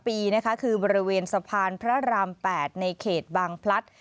ปีนะคะคือบริเวณสะพานพระราม๘ในเขตบางพลัด